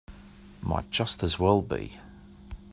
Might just as well be.